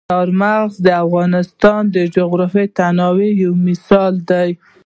چار مغز د افغانستان د جغرافیوي تنوع یو مثال دی.